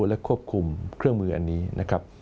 และควบคุมเครื่องมืออันนี้นะครับ